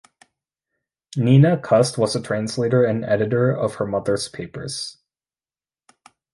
Nina Cust was a translator and editor of her mother's papers.